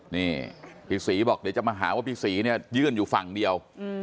นี่พี่ศรีบอกเดี๋ยวจะมาหาว่าพี่ศรีเนี่ยยื่นอยู่ฝั่งเดียว